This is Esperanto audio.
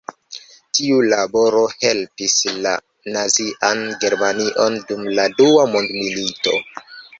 Tiu laboro helpis la nazian Germanion dum la dua mondmilito.